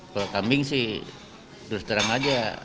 kalau kambing sih terus terang aja